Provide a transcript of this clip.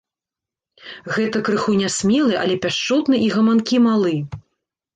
Гэта крыху нясмелы, але пяшчотны і гаманкі малы.